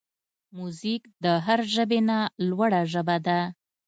موزیک د هر ژبې نه لوړه ژبه ده.